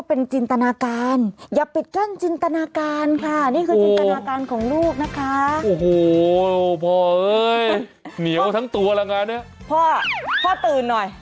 เอาไว้ติดตามกันเลย